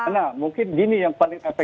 nah mungkin gini yang paling efektif